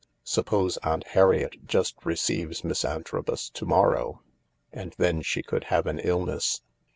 Suppose Aunt Harriet just receives Miss Antrobus to morrow, and then she could have an illness."